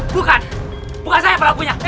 bukan bukan saya pelakunya